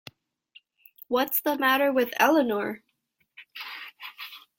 What's the matter with Eleanor?